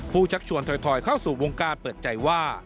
ชักชวนถอยเข้าสู่วงการเปิดใจว่า